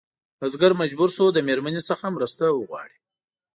بزګر مجبور شو له مېرمنې څخه مرسته وغواړي.